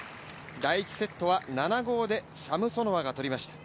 第１セットは７−５でサムソノワが取りました。